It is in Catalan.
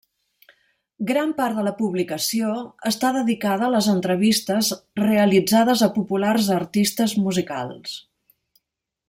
Gran part de la publicació està dedicada a les entrevistes realitzades a populars artistes musicals.